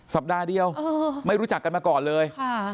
สัปดาห์เดียวไม่รู้จักกันมาก่อนเลย